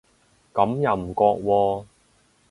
咁又唔覺喎